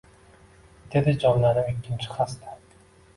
Dedi jonlanib ikkinchi xasta